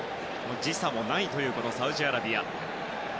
時差もないサウジアラビア。